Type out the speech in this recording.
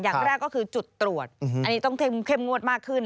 อย่างแรกก็คือจุดตรวจอันนี้ต้องเข้มงวดมากขึ้น